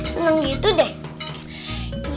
senang gitu deh